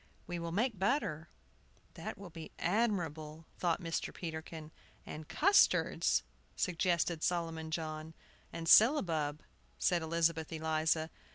We will make butter." "That will be admirable," thought Mr. Peterkin. "And custards," suggested Solomon John. "And syllabub," said Elizabeth Eliza.